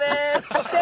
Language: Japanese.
そして。